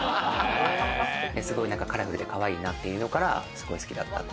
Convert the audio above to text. カラフルでかわいいなっていうのからすごい好きだった。